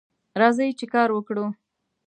راځئ چې کار وکړو